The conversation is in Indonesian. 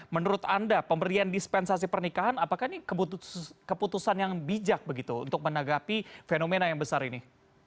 menurut anda pemberian dispensasi pernikahan apakah ini keputusan yang bijak begitu untuk menanggapi fenomena yang besar ini